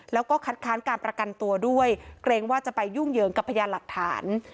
แล้วก็คัดค้านการประกันตัวด้วยเกรงว่าจะไปยุ่งเหยิงกับพยานหลักฐาน